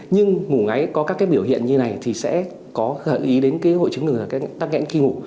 nhưng ngủ ngáy có các biểu hiện như này thì sẽ có hợp ý đến hội chứng đường thở tăng ngẽn khi ngủ